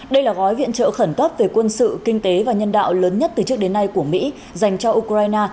đây là gói viện trợ khẩn cấp về quân sự kinh tế và nhân đạo lớn nhất từ trước đến nay của mỹ dành cho ukraine